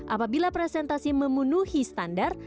apabila presentasi memenuhi standar